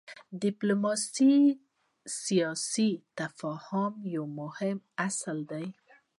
ډيپلوماسي د سیاسي تفاهم یو مهم اصل دی.